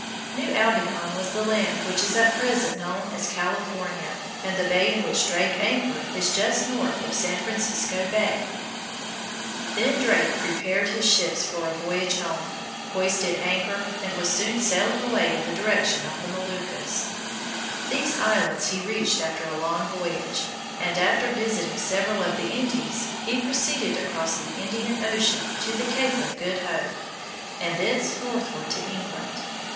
New Albion was the land which is at present known as California, and the bay in which Drake anchored is just north of San Francisco Bay. Then Drake prepared his ships for the voyage home, hoisted anchor, and was soon sailing away in the direction of the Moluccas. These islands he reached after a long voyage, and after visiting several of the Indies he proceeded across the Indian Ocean to the Cape of Good Hope and thence northward to England.